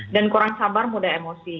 dan kurang sabar mudah emosi